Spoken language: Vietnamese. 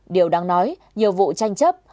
điều đáng nói nhiều vụ tranh chấp